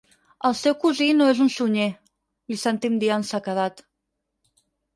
El seu cosí no és un Sunyer –li sentim dir amb sequedat.